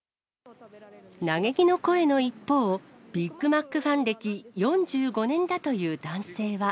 嘆きの声の一方、ビッグマックファン歴４５年だという男性は。